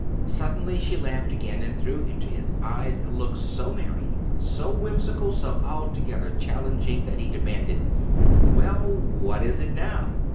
Suddenly she laughed again, and threw into his eyes a look so merry, so whimsical, so altogether challenging, that he demanded:— "Well, what is it now?"